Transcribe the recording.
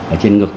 ở trên ngực